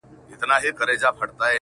د حيا تور پوړونی مه ورکوه چي غورځوه؛